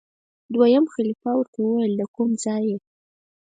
دویم خلیفه ورته وویل دکوم ځای یې؟